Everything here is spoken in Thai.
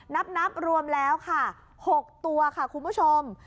นับรวมแล้วค่ะ๖ตัวค่ะคุณผู้ชม